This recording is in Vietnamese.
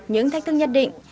những thách thức nhất định